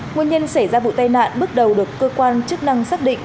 nguyên nhân xảy ra vụ tai nạn bước đầu được cơ quan chức năng xác định